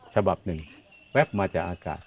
ฉบับหนึ่งแป๊บมาจากอากาศ